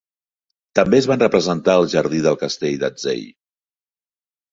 També es van representar al jardí del castell d'Edzell.